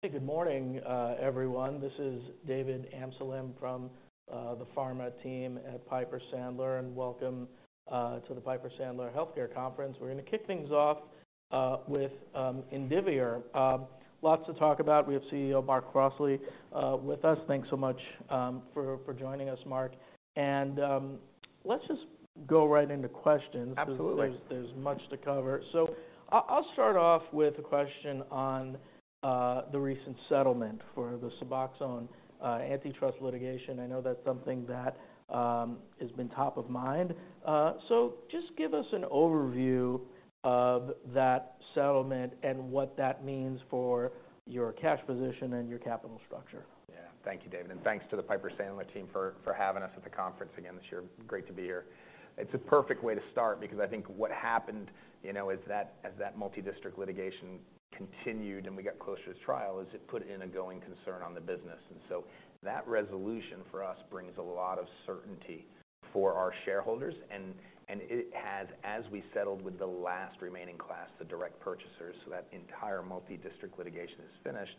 Hey, good morning, everyone. This is David Amsellem from the pharma team at Piper Sandler, and welcome to the Piper Sandler Healthcare Conference. We're gonna kick things off with Indivior. Lots to talk about. We have CEO Mark Crossley with us. Thanks so much for joining us, Mark, and let's just go right into questions. Absolutely. There's much to cover. So I'll start off with a question on the recent settlement for the SUBOXONE antitrust litigation. I know that's something that has been top of mind. So just give us an overview of that settlement and what that means for your cash position and your capital structure. Yeah. Thank you, David, and thanks to the Piper Sandler team for having us at the conference again this year. Great to be here. It's a perfect way to start because I think what happened, you know, as that multi-district litigation continued, and we got closer to trial, is it put in a going concern on the business. And so that resolution for us brings a lot of certainty for our shareholders, and it has, as we settled with the last remaining class, the direct purchasers, so that entire multi-district litigation is finished.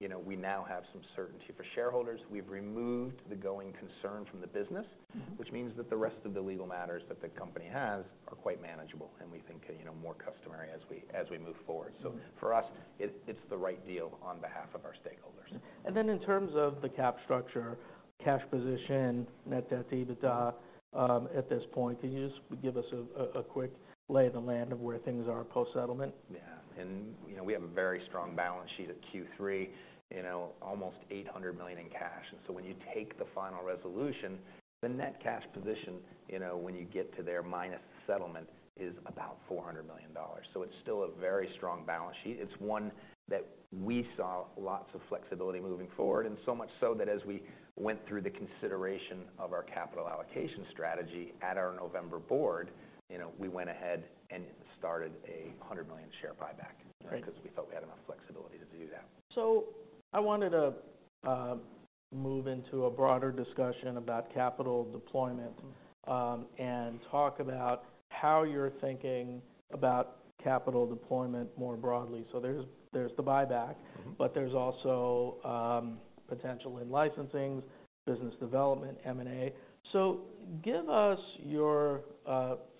You know, we now have some certainty for shareholders. We've removed the going concern from the business Mm-hmm. which means that the rest of the legal matters that the company has are quite manageable and we think, you know, more customary as we, as we move forward. Mm-hmm. So for us, it's the right deal on behalf of our stakeholders. And then in terms of the cap structure, cash position, net debt, EBITDA, at this point, can you just give us a quick lay of the land of where things are post-settlement? Yeah. You know, we have a very strong balance sheet at Q3, you know, almost $800 million in cash. And so when you take the final resolution, the net cash position, you know, when you get to their minus settlement, is about $400 million. So it's still a very strong balance sheet. It's one that we saw lots of flexibility moving forward, and so much so that as we went through the consideration of our capital allocation strategy at our November board, you know, we went ahead and started a $100 million share buyback Great because we felt we had enough flexibility to do that. So I wanted to move into a broader discussion about capital deployment, and talk about how you're thinking about capital deployment more broadly. So there's the buyback Mm-hmm. But there's also potential in licensing, business development, M&A. So give us your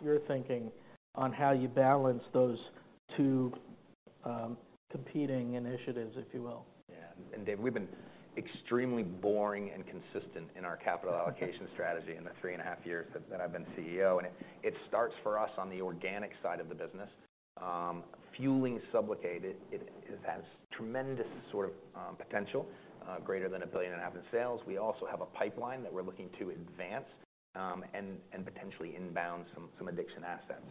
your thinking on how you balance those two competing initiatives, if you will. Yeah. And David, we've been extremely boring and consistent in our capital allocation strategy in the three and a half years that I've been CEO, and it starts for us on the organic side of the business. Fueling SUBLOCADE, it has tremendous sort of potential, greater than $1.5 billion in sales. We also have a pipeline that we're looking to advance, and potentially inbound some addiction assets.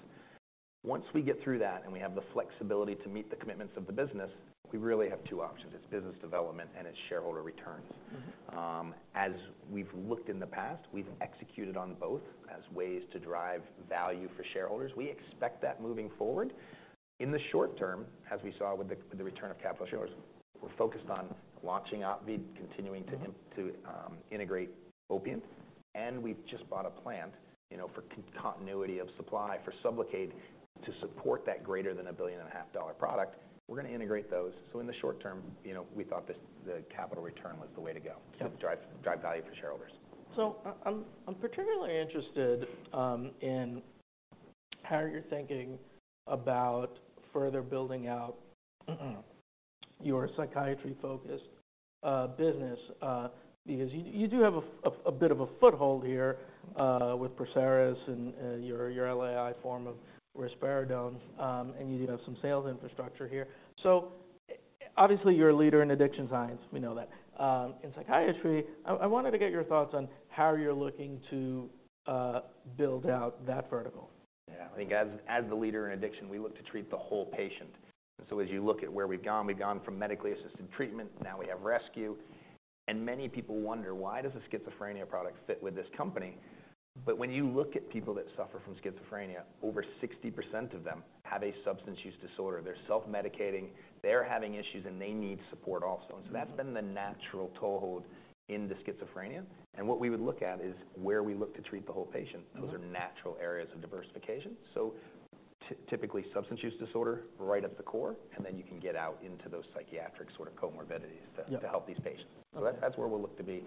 Once we get through that and we have the flexibility to meet the commitments of the business, we really have two options: it's business development and it's shareholder returns. Mm-hmm. As we've looked in the past, we've executed on both as ways to drive value for shareholders. We expect that moving forward. In the short term, as we saw with the return of capital to shareholders, we're focused on launching OPVEE, continuing Mm-hmm. to integrate Opiant, and we've just bought a plant, you know, for continuity of supply for SUBLOCADE to support that greater than a $1.5 billion product. We're gonna integrate those. So in the short term, you know, we thought this, the capital return was the way to go Yeah to drive value for shareholders. So I'm particularly interested in how you're thinking about further building out your psychiatry-focused business, because you do have a bit of a foothold here with PERSERIS and your LAI form of risperidone, and you do have some sales infrastructure here. So obviously, you're a leader in addiction science. We know that. In psychiatry, I wanted to get your thoughts on how you're looking to build out that vertical. Yeah. I think as the leader in addiction, we look to treat the whole patient. And so as you look at where we've gone, we've gone from medically assisted treatment. Now we have rescue. And many people wonder: Why does a Schizophrenia product fit with this company? But when you look at people that suffer from Schizophrenia, over 60% of them have a substance use disorder. They're self-medicating, they're having issues, and they need support also. Mm-hmm. That's been the natural toehold into Schizophrenia. What we would look at is where we look to treat the whole patient. Mm-hmm. Those are natural areas of diversification. So typically, substance use disorder right at the core, and then you can get out into those psychiatric sort of comorbidities to Yeah to help these patients. Mm-hmm. That's where we'll look to be,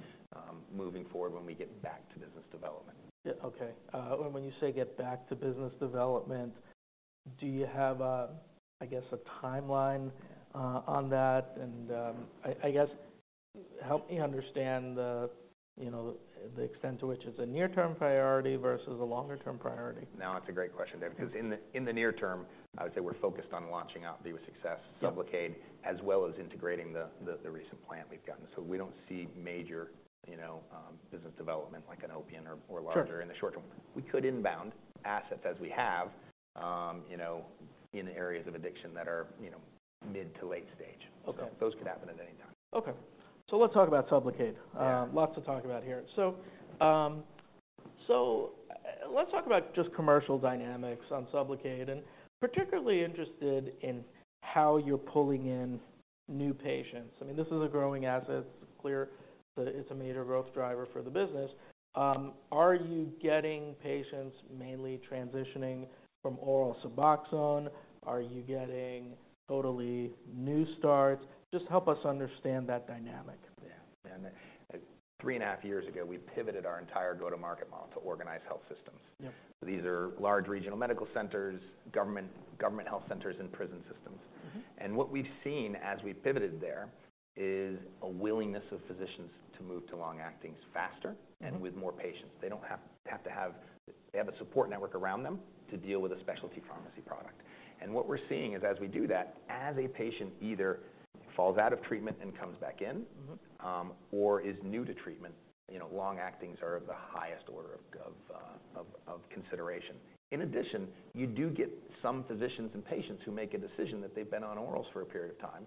moving forward when we get back to business development. Yeah. Okay. When you say get back to business development, do you have, I guess, a timeline on that? And I guess help me understand the, you know, the extent to which it's a near-term priority versus a longer-term priority. No, it's a great question, David, because in the near term, I would say we're focused on launching OPVEE with success Yeah SUBLOCADE, as well as integrating the recent plant we've gotten. So we don't see major, you know, business development like an Opiant or larger Sure -in the short term. We could inbound assets as we have, you know, in areas of addiction that are, you know, mid to late stage. Okay. Those could happen at any time. Okay. So let's talk about SUBLOCADE. Yeah. Lots to talk about here. So, let's talk about just commercial dynamics on SUBLOCADE, and particularly interested in how you're pulling in new patients. I mean, this is a growing asset. It's clear that it's a major growth driver for the business. Are you getting patients mainly transitioning from oral SUBOXONE? Are you getting totally new starts? Just help us understand that dynamic there. Three and a half years ago, we pivoted our entire go-to-market model to organize health systems. Yep. These are large regional medical centers, government health centers, and prison systems. Mm-hmm. What we've seen as we've pivoted there is a willingness of physicians to move to long-actings faster Mm-hmm. and with more patients. They don't have to have, They have a support network around them to deal with a specialty pharmacy product. And what we're seeing is as we do that, as a patient either falls out of treatment and comes back in Mm-hmm. or is new to treatment, you know, long-actings are of the highest order of consideration. In addition, you do get some physicians and patients who make a decision that they've been on orals for a period of time,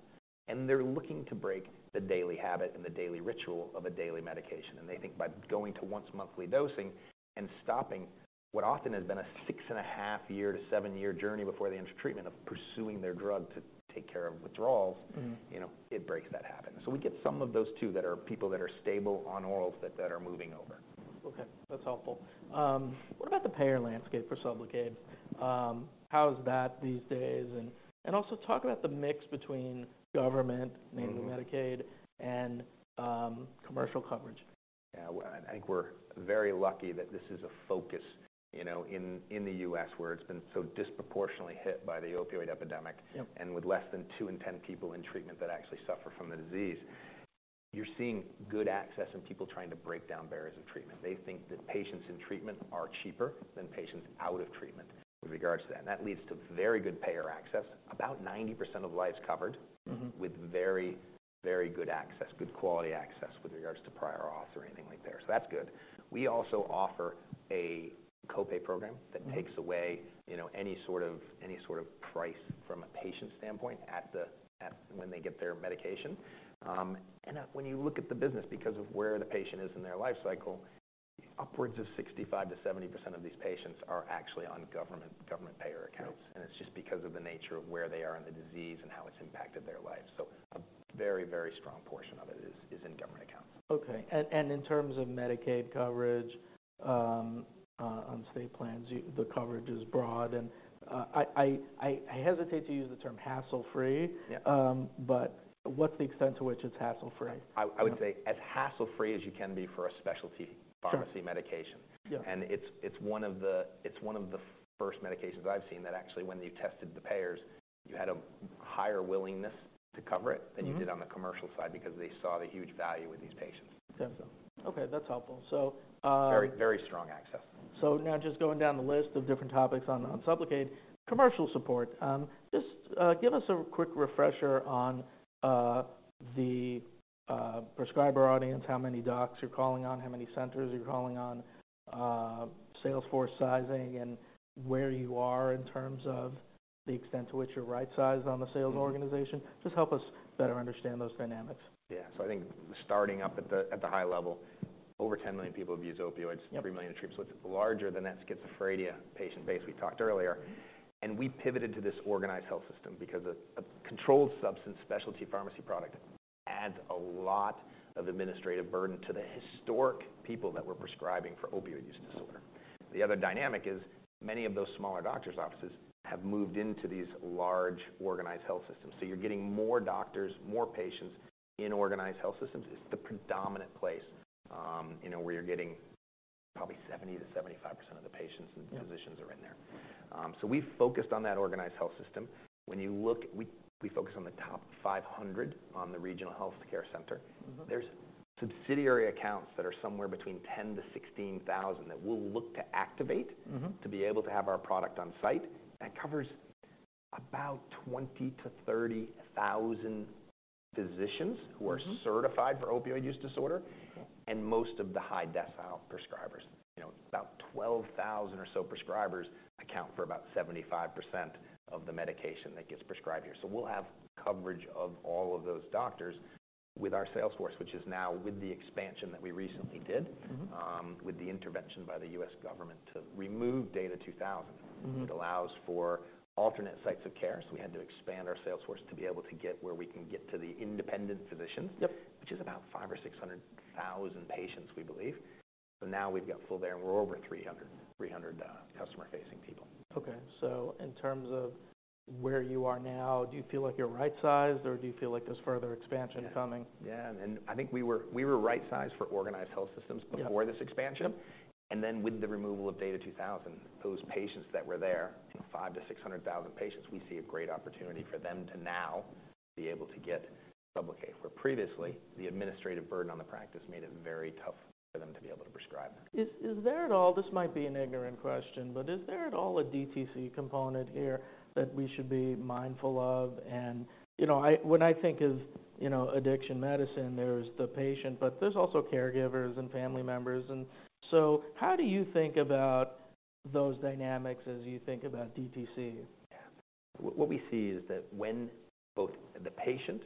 and they're looking to break the daily habit and the daily ritual of a daily medication. And they think by going to once monthly dosing and stopping what often has been a six and a half year to seven year journey before they enter treatment, of pursuing their drug to take care of withdrawals Mm-hmm. You know, it breaks that habit. So we get some of those, too, that are people that are stable on orals, that are moving over. Okay, that's helpful. What about the payer landscape for SUBLOCADE? How is that these days? And, also talk about the mix between government Mm-hmm. mainly Medicaid and commercial coverage. Yeah, well, I think we're very lucky that this is a focus, you know, in the U.S. where it's been so disproportionately hit by the opioid epidemic. Yep. With less than two in ten people in treatment that actually suffer from the disease, you're seeing good access and people trying to break down barriers of treatment. They think that patients in treatment are cheaper than patients out of treatment in regards to that, and that leads to very good payer access. About 90% of the lives covered- Mm-hmm with very, very good access, good quality access with regards to prior auth or anything like that. So that's good. We also offer a co-pay program Mm-hmm that takes away, you know, any sort of, any sort of price from a patient standpoint at the, at when they get their medication. And when you look at the business, because of where the patient is in their life cycle, upwards of 65%-70% of these patients are actually on government, government payer accounts. Yep. It's just because of the nature of where they are in the disease and how it's impacted their lives. A very, very strong portion of it is in government accounts. Okay. And in terms of Medicaid coverage, on state plans, the coverage is broad, and I hesitate to use the term hassle-free. Yeah. But what's the extent to which it's hassle-free? I would say as hassle-free as you can be for a specialty- Sure pharmacy medication. Yeah. It's one of the first medications I've seen that actually, when you tested the payers, you had a higher willingness to cover it Mm-hmm than you did on the commercial side because they saw the huge value with these patients. Okay, that's helpful. So, Very, very strong access. So now just going down the list of different topics on SUBLOCADE. Commercial support. Just give us a quick refresher on the prescriber audience, how many docs you're calling on, how many centers you're calling on, sales force sizing, and where you are in terms of the extent to which you're right-sized on the sales organization. Mm-hmm. Just help us better understand those dynamics. Yeah. So I think starting up at the high level, over 10 million people abuse opioids- Yep every million in treatment, so it's larger than that Schizophrenia patient base we talked earlier. Mm-hmm. We pivoted to this organized health system because a controlled substance specialty pharmacy product adds a lot of administrative burden to the historic people that we're prescribing for opioid use disorder. The other dynamic is, many of those smaller doctor's offices have moved into these large, organized health systems. So you're getting more doctors, more patients in organized health systems. It's the predominant place, you know, where you're getting probably 70%-75% of the patients- Yep and physicians are in there. So we focused on that organized health system. When you look, we focus on the top 500 on the regional healthcare center. Mm-hmm. There's subsidiary accounts that are somewhere between 10-16,000 that we'll look to activate- Mm-hmm to be able to have our product on site. That covers about 20,000-30,000 physicians- Mm-hmm who are certified for opioid use disorder Okay and most of the high-decile prescribers. You know, about 12,000 or so prescribers account for about 75% of the medication that gets prescribed here. So we'll have coverage of all of those doctors with our sales force, which is now with the expansion that we recently did Mm-hmm with the intervention by the U.S. government to remove DATA 2000. Mm-hmm. It allows for alternate sites of care, so we had to expand our sales force to be able to get where we can get to the independent physicians. Yep. Which is about 500,000-600,000 patients, we believe. So now we've got full there, and we're over 300 customer-facing people. Okay. So in terms of where you are now, do you feel like you're right-sized, or do you feel like there's further expansion coming? Yeah. And I think we were right-sized for organized health systems- Yeah before this expansion. Then with the removal of DATA 2000, those patients that were there, you know, 500,000-600,000 patients, we see a great opportunity for them to now be able to get SUBLOCADE. Where previously, the administrative burden on the practice made it very tough for them to be able to prescribe. Is there at all, This might be an ignorant question, but is there at all a DTC component here that we should be mindful of? And, you know, I when I think of, you know, addiction medicine, there's the patient, but there's also caregivers and family members. And so how do you think about those dynamics as you think about DTC? Yeah. What, what we see is that when both the patient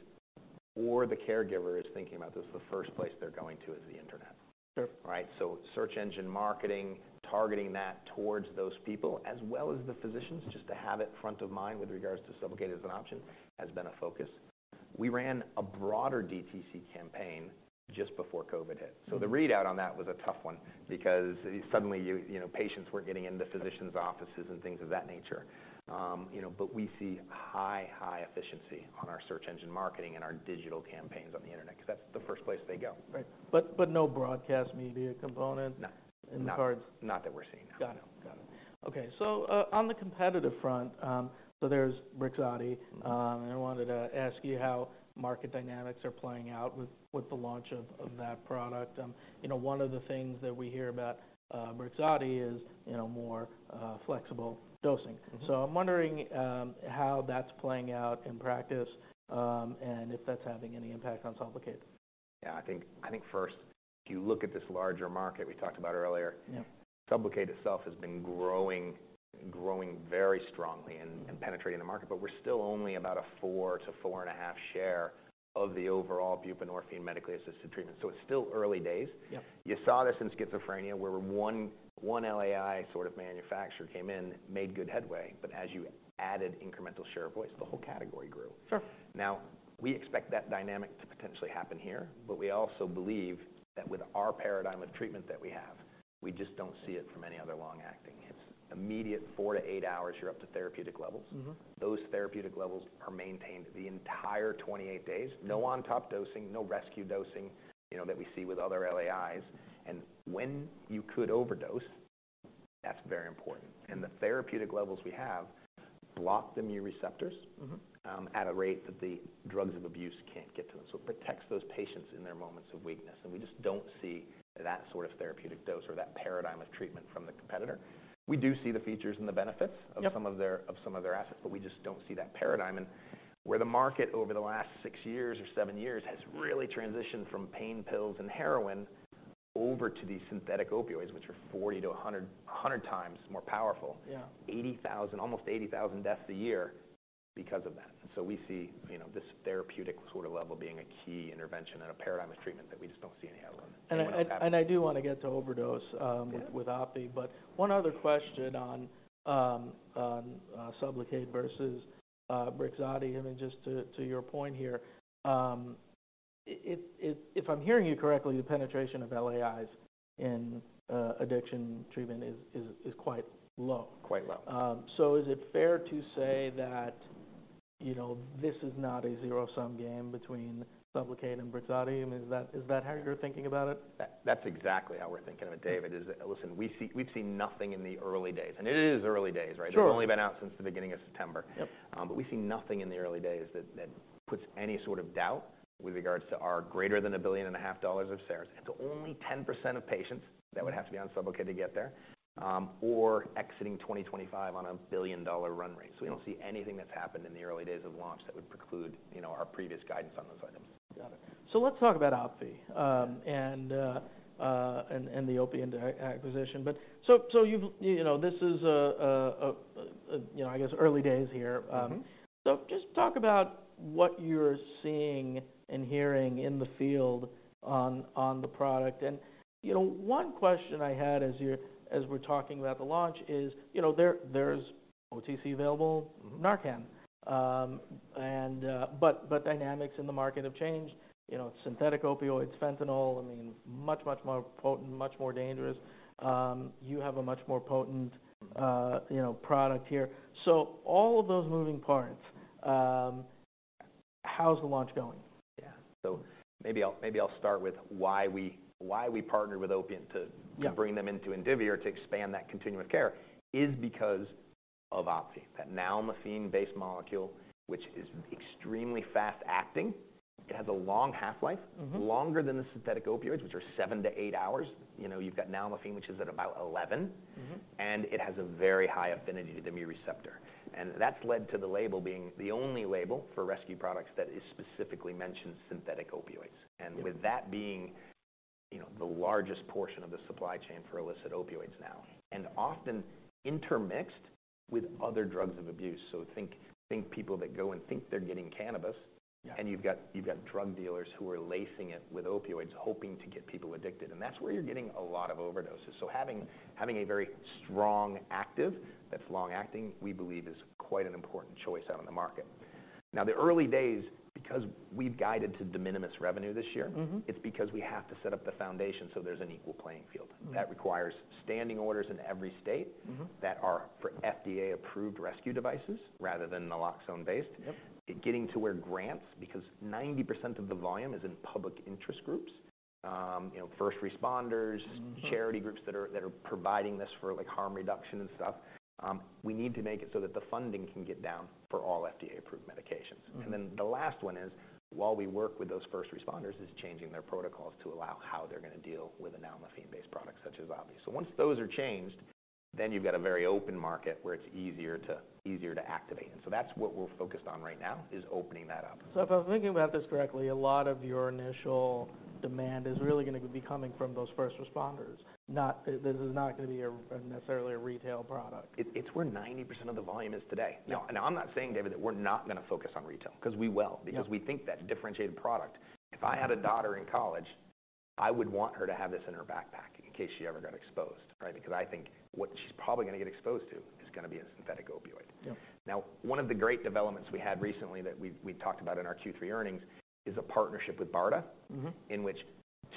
or the caregiver is thinking about this, the first place they're going to is the Internet. Sure. Right? So search engine marketing, targeting that towards those people as well as the physicians, just to have it front of mind with regards to SUBLOCADE as an option, has been a focus. We ran a broader DTC campaign just before COVID hit. So the readout on that was a tough one because suddenly, you know, patients weren't getting into physicians' offices and things of that nature. You know, but we see high, high efficiency on our search engine marketing and our digital campaigns on the internet, 'cause that's the first place they go. Right. But no broadcast media component- No. In regards? Not that we're seeing now. Got it. Got it. Okay, so on the competitive front, so there's BRIXADI. Mm-hmm. And I wanted to ask you how market dynamics are playing out with the launch of that product. You know, one of the things that we hear about BRIXADI is, you know, more flexible dosing. Mm-hmm. I'm wondering how that's playing out in practice, and if that's having any impact on SUBLOCADE? Yeah, I think first, if you look at this larger market we talked about earlier- Yeah SUBLOCADE itself has been growing, growing very strongly and, and penetrating the market, but we're still only about a 4%-4.5% share of the overall buprenorphine medication-assisted treatment. So it's still early days. Yeah. You saw this in Schizophrenia, where one LAI sort of manufacturer came in, made good headway, but as you added incremental share of voice, the whole category grew. Sure. Now, we expect that dynamic to potentially happen here, but we also believe that with our paradigm of treatment that we have, we just don't see it from any other long-acting. It's immediate 4-8 hours, you're up to therapeutic levels. Mm-hmm. Those therapeutic levels are maintained the entire 28 days. Mm-hmm. No on-top dosing, no rescue dosing, you know, that we see with other LAIs. And when you could overdose, that's very important. Mm-hmm. The therapeutic levels we have block the Mu receptors. Mm-hmm at a rate that the drugs of abuse can't get to them. So it protects those patients in their moments of weakness, and we just don't see that sort of therapeutic dose or that paradigm of treatment from the competitor. We do see the features and the benefits Yep of some of their assets, but we just don't see that paradigm. And where the market over the last six years or seven years has really transitioned from pain pills and heroin over to these synthetic opioids, which are 40x-100x more powerful. Yeah. 80,000, almost 80,000 deaths a year because of that. So we see, you know, this therapeutic sort of level being a key intervention and a paradigm of treatment that we just don't see any other one, anyone having. I do wanna get to overdose. Yeah with OPVEE. But one other question on SUBLOCADE versus BRIXADI, and then just to your point here. If I'm hearing you correctly, the penetration of LAIs in addiction treatment is quite low. Quite low. Is it fair to say that, you know, this is not a zero-sum game between SUBLOCADE and BRIXADI? I mean, is that, is that how you're thinking about it? That, that's exactly how we're thinking of it, David, is, Listen, we've seen nothing in the early days, and it is early days, right? Sure. It's only been out since the beginning of September. Yep. But we've seen nothing in the early days that puts any sort of doubt with regards to our greater than $1.5 billion of sales into only 10% of patients that would have to be on SUBLOCADE to get there, or exiting 2025 on a billion-dollar run rate. So we don't see anything that's happened in the early days of launch that would preclude, you know, our previous guidance on those items. Got it. So let's talk about OPVEE and the Opiant acquisition. But so you've, you know, this is, you know, I guess, early days here. Mm-hmm. So just talk about what you're seeing and hearing in the field on the product. And, you know, one question I had as we're talking about the launch is, you know, there's OTC-available Narcan. And, but dynamics in the market have changed. You know, synthetic opioids, fentanyl, I mean, much, much more potent, much more dangerous. You have a much more potent, you know, product here. So all of those moving parts, how's the launch going? Yeah. So maybe I'll start with why we partnered with Opiant to Yeah to bring them into Indivior to expand that continuum of care is because of OPVEE, that Nalmefene based molecule, which is extremely fast-acting. It has a long half-life Mm-hmm longer than the synthetic opioids, which are seven to eight hours. You know, you've got Nalmefene, which is at about 11. Mm-hmm. It has a very high affinity to the Mu receptor, and that's led to the label being the only label for rescue products that specifically mentions synthetic opioids. Yeah. And with that being, you know, the largest portion of the supply chain for illicit opioids now, and often intermixed with other drugs of abuse. So think, think people that go and think they're getting cannabis Yeah and you've got drug dealers who are lacing it with opioids, hoping to get people addicted, and that's where you're getting a lot of overdoses. So having a very strong active that's long-acting, we believe is quite an important choice out in the market. Now, the early days, because we've guided to de minimis revenue this year Mm-hmm it's because we have to set up the foundation so there's an equal playing field. Mm-hmm. That requires standing orders in every state- Mm-hmm that are for FDA-approved rescue devices rather than Naloxone based. Yep. Getting to where grants, because 90% of the volume is in public interest groups, you know, first responders Mm-hmm charity groups that are, that are providing this for, like, harm reduction and stuff. We need to make it so that the funding can get down for all FDA-approved medications. Mm-hmm. And then the last one is, while we work with those first responders, is changing their protocols to allow how they're gonna deal with a Nalmefene based product such as OPVEE. So once those are changed, then you've got a very open market where it's easier to, easier to activate. And so that's what we're focused on right now, is opening that up. So if I'm thinking about this correctly, a lot of your initial demand is really gonna be coming from those first responders, not, This is not gonna be, necessarily, a retail product. It's where 90% of the volume is today. Yeah. Now, I'm not saying, David, that we're not gonna focus on retail, 'cause we will Yeah because we think that's a differentiated product. If I had a daughter in college, I would want her to have this in her backpack in case she ever got exposed, right? Because I think what she's probably gonna get exposed to is gonna be a synthetic opioid. Yeah. Now, one of the great developments we had recently that we talked about in our Q3 earnings, is a partnership with BARDA. Mm-hmm. In which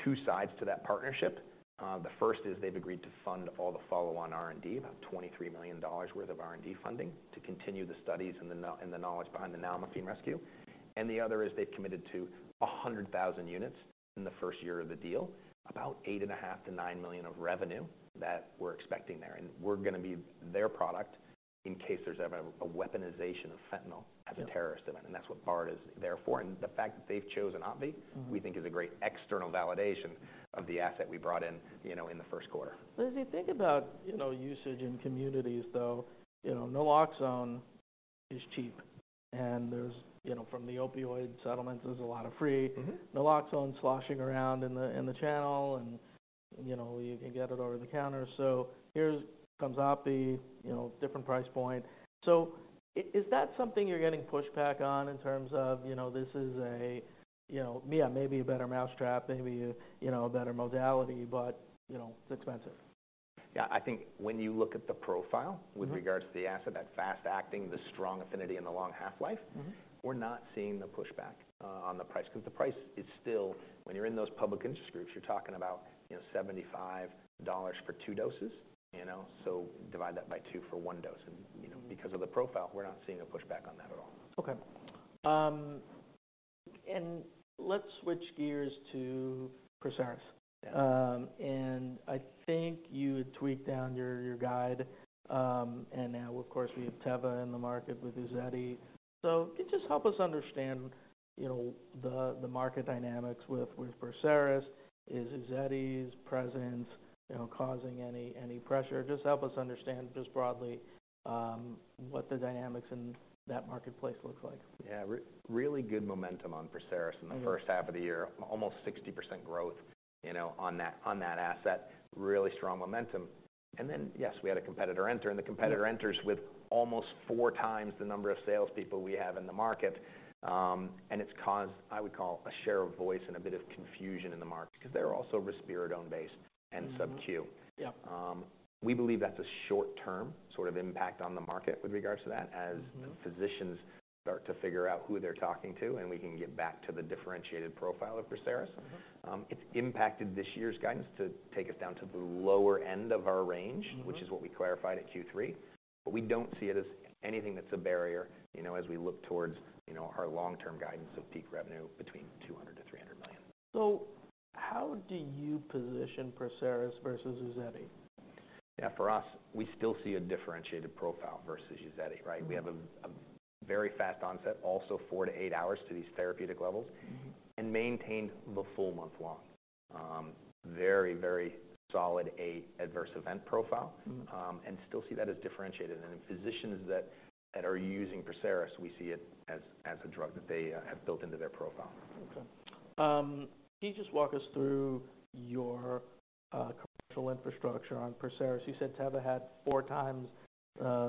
two sides to that partnership, the first is they've agreed to fund all the follow-on R&D, about $23 million worth of R&D funding, to continue the studies and the knowledge behind the Naloxone rescue. The other is they've committed to 100,000 units in the first year of the deal, about $8.5 million-$9 million of revenue that we're expecting there. We're gonna be their product in case there's ever a weaponization of fentanyl. Yeah as a terrorist event, and that's what BARDA is there for. And the fact that they've chosen OPVEE Mm-hmm We think is a great external validation of the asset we brought in, you know, in the first quarter. But as you think about, you know, usage in communities, though, you know, Naloxone is cheap, and there's, you know, from the opioid settlements, there's a lot of free Mm-hmm Naloxone sloshing around in the, in the channel, and, you know, you can get it over the counter. So here comes OPVEE, you know, different price point. So is that something you're getting pushback on in terms of, you know, this is a, you know, yeah, maybe a better mousetrap, maybe a, you know, a better modality, but, you know, it's expensive? Yeah. I think when you look at the profile- Mm-hmm with regards to the asset, that fast acting, the strong affinity, and the long half-life Mm-hmm We're not seeing the pushback on the price, 'cause the price is still... When you're in those public interest groups, you're talking about, you know, $75 for two doses, you know? So divide that by two for one dose and, you know Mm-hmm Because of the profile, we're not seeing a pushback on that at all. Okay. And let's switch gears to PERSERIS. And I think you had tweaked down your guide, and now, of course, we have Teva in the market with UZEDY. So could you just help us understand, you know, the market dynamics with PERSERIS? Is UZEDY's presence, you know, causing any pressure? Just help us understand, just broadly, what the dynamics in that marketplace look like. Yeah. Really good momentum on PERSERIS Mm-hmm in the first half of the year. Almost 60% growth, you know, on that, on that asset. Really strong momentum. And then, yes, we had a competitor enter, and the competitor Yeah enters with almost 4x the number of salespeople we have in the market. It's caused, I would call, a share of voice and a bit of confusion in the market because they're also risperidone-based and SubQ. Yeah. We believe that's a short-term sort of impact on the market with regards to that Mm-hmm as the physicians start to figure out who they're talking to, and we can get back to the differentiated profile of PERSERIS. It's impacted this year's guidance to take us down to the lower end of our range Mm-hmm which is what we clarified at Q3, but we don't see it as anything that's a barrier, you know, as we look towards, you know, our long-term guidance of peak revenue between $200 million-$300 million. How do you position PERSERIS versus UZEDY? Yeah. For us, we still see a differentiated profile versus UZEDY, right? Mm-hmm. We have a very fast onset, also 4-8 hours to these therapeutic levels. Mm-hmm. Maintain the full month-long. Very, very solid a adverse event profile- Mm-hmm and still see that as differentiated. In physicians that are using PERSERIS, we see it as a drug that they have built into their profile. Okay. Can you just walk us through your commercial infrastructure on PERSERIS? You said Teva had 4x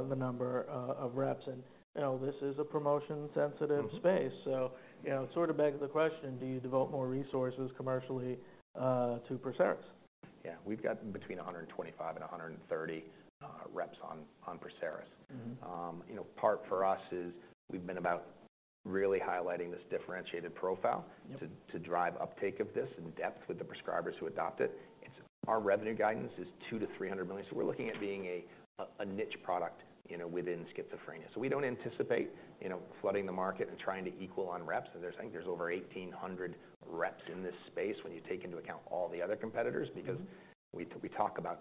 the number of reps, and, you know, this is a promotion-sensitive Mm-hmm So you know, it sort of begs the question: Do you devote more resources commercially to PERSERIS? Yeah. We've got between 125 and 130 reps on PERSERIS. Mm-hmm. You know, part for us is we've been about really highlighting this differentiated profile- Yep to drive uptake of this in depth with the prescribers who adopt it. It's our revenue guidance is $200 million-$300 million. So we're looking at being a niche product, you know, within Schizophrenia. So we don't anticipate, you know, flooding the market and trying to equal on reps, and there's, I think, over 1,800 reps in this space when you take into account all the other competitors Mm-hmm because we talk about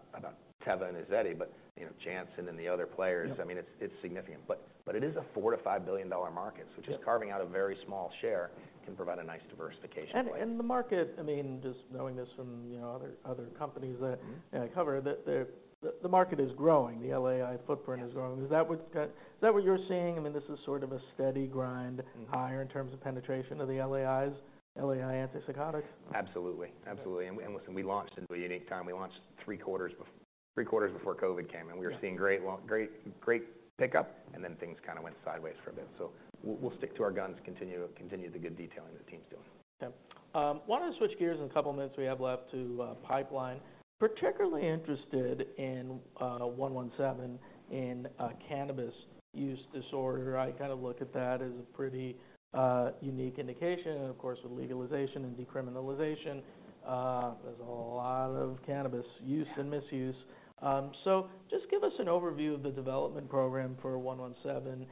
Teva and UZEDY, but, you know, Janssen and the other players Yeah I mean, it's, it's significant. But, but it is a $4 billion-$5 billion market. Yeah So just carving out a very small share can provide a nice diversification play. The market, I mean, just knowing this from, you know, other companies that Mm-hmm I cover, the market is growing. The LAI footprint is growing. Is that what, is that what you're seeing? I mean, this is sort of a steady grind Mm-hmm higher in terms of penetration of the LAIs, LAI antipsychotics? Absolutely. Absolutely. Yeah. Listen, we launched in a unique time. We launched three quarters before COVID came, and we were- Yeah Seeing great long, great, great pickup, and then things kind of went sideways for a bit. So we'll stick to our guns, continue the good detailing the team's doing. Yeah. Why don't we switch gears in the couple minutes we have left to pipeline? Particularly interested in 117 in cannabis use disorder. I kind of look at that as a pretty unique indication, and of course, with legalization and decriminalization, there's a lot of cannabis use and misuse. So just give us an overview of the development program for 117,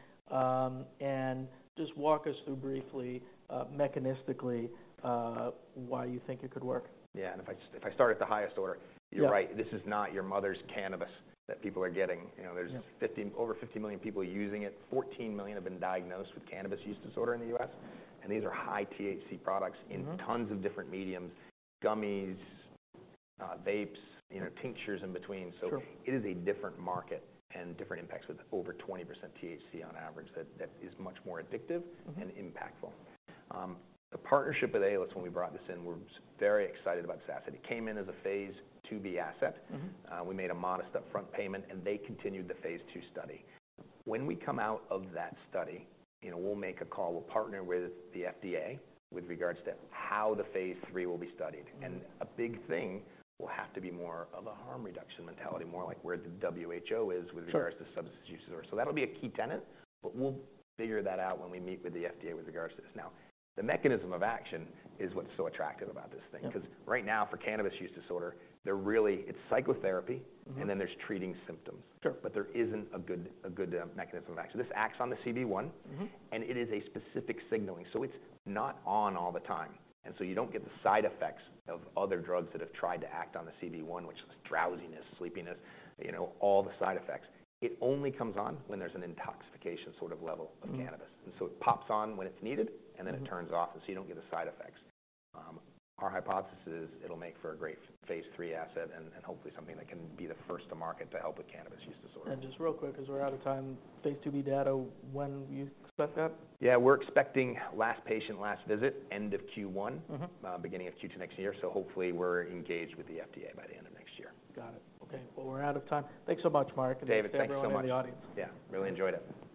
and just walk us through briefly mechanistically why you think it could work. Yeah, and if I start at the highest order Yeah You're right, this is not your mother's cannabis that people are getting. You know- Yeah there's over 50 million people using it, 14 million have been diagnosed with cannabis use disorder in the U.S., and these are high-THC products Mm-hmm in tons of different mediums: gummies, vapes, you know, tinctures in between. Sure. It is a different market and different impacts with over 20% THC on average, that is much more addictive Mm-hmm and impactful. The partnership with Ailis, when we brought this in, we're very excited about this asset. It came in as a phase IIb asset. Mm-hmm. We made a modest upfront payment, and they continued the phase II study. When we come out of that study, you know, we'll make a call. We'll partner with the FDA with regards to how the phase III will be studied. Mm-hmm. A big thing will have to be more of a harm reduction mentality, more like where the WHO is Sure with regards to substance use disorder. So that'll be a key tenet, but we'll figure that out when we meet with the FDA with regards to this. Now, the mechanism of action is what's so attractive about this thing. Yeah. 'Cause right now, for cannabis use disorder, they're really, It's psychotherapy Mm-hmm and then there's treating symptoms. Sure. But there isn't a good mechanism of action. This acts on the CB1- Mm-hmm And it is a specific signaling, so it's not on all the time, and so you don't get the side effects of other drugs that have tried to act on the CB1, which is drowsiness, sleepiness, you know, all the side effects. It only comes on when there's an intoxication sort of level. Mm-hmm of cannabis. And so it pops on when it's needed, and then Mm-hmm It turns off, so you don't get the side effects. Our hypothesis is it'll make for a great phase III asset and hopefully something that can be the first to market to help with cannabis use disorder. Just real quick, 'cause we're out of time, phase IIb data, when do you expect that? Yeah, we're expecting last patient, last visit, end of Q1. Mm-hmm Beginning of Q2 next year. So hopefully, we're engaged with the FDA by the end of next year. Got it. Okay, well, we're out of time. Thanks so much, Mark- David, thanks so much. and thank you to the audience. Yeah, really enjoyed it.